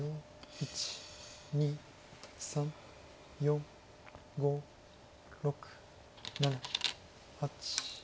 １２３４５６７８。